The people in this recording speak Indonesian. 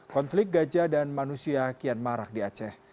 konflik gajah dan manusia kian marak di aceh